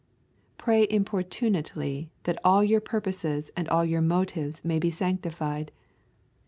Pray importunately that all your purposes and all your motives may be sanctified.